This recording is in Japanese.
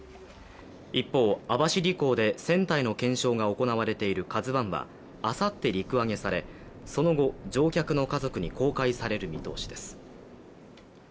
一方、網走港で船体の検証が行われている「ＫＡＺＵⅠ」はあさって陸揚げされその後、乗客の家族に公開される見通しです。